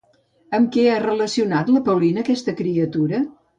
Amb què ha relacionat la Paulina aquesta criatura?